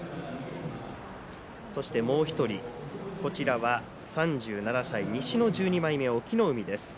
そしてもう１人、３７歳西の１２枚目、隠岐の海です。